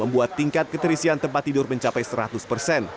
membuat tingkat keterisian tempat tidur mencapai seratus persen